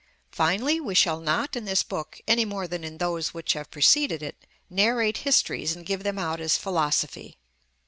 Finally, we shall not in this book, any more than in those which have preceded it, narrate histories and give them out as philosophy.